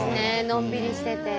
のんびりしてて。